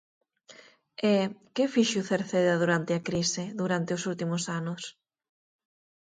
E ¿que fixo Cerceda durante a crise, durante os últimos anos?